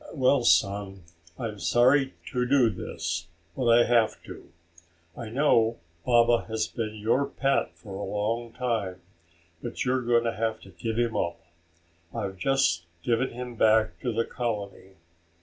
"Well, son, I'm sorry to do this, but I have to. I know Baba has been your pet for a long time, but you are going to have to give him up. I've just given him back to the colony.